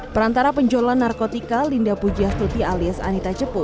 perantara penjualan narkotika linda pujastuti alias anita cepu